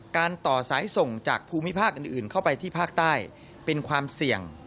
ต่อสายส่งจากภูมิภาคอื่นเข้าไปที่ภาคใต้เป็นความเสี่ยง